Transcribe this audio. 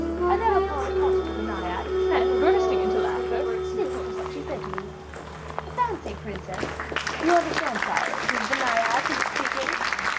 I thereupon accosted the Naiad, and bursting into laughter, this is what she said to me: "'Fancy, princess...' You understand, sire, it is the Naiad who is speaking?"